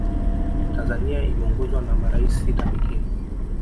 tanzania imeongozwa na maraisi sita pekee